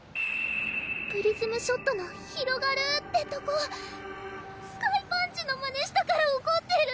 プリズムショットの「ひろがる」ってとこスカイパンチのマネしたからおこってる？